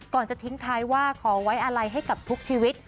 จะทิ้งท้ายว่าขอไว้อะไรให้กับทุกชีวิต